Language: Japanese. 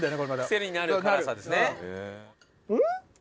クセになる辛さですね。